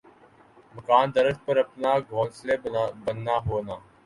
مکان درخت پر اپنا گھونسلے بننا ہونا